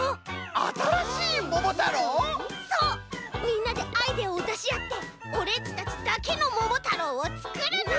みんなでアイデアをだしあってオレっちたちだけの「ももたろう」をつくるの！